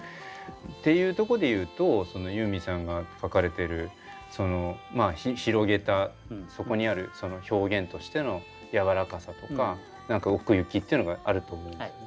っていうとこで言うとユーミンさんが書かれてる広げたそこにある表現としてのやわらかさとか何か奥行きっていうのがあると思うんですよね。